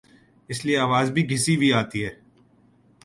اس لئے آواز بھی گھسی ہوئی آتی ہے۔